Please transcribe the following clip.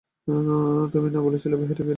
তুমি না বলেছিলে বাহিরে বের হওয়াটা এখন বিপজ্জনক!